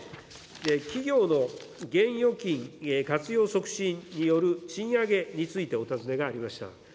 企業の現預金活用促進による賃上げについて、お尋ねがありました。